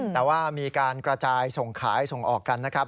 แต่ว่ามีการกระจายส่งขายส่งออกกันนะครับ